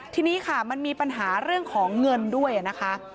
ทีนี้ค่ะมันมีปัญหาเรื่องของเงินด้วยนะคะ